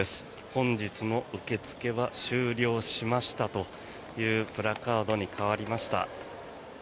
本日の受け付けは終了しましたというプラカードに変わりました。